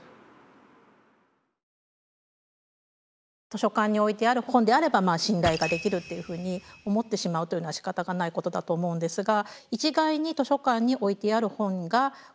図書館に置いてある本であれば信頼ができるっていうふうに思ってしまうというのはしかたがないことだと思うんですが。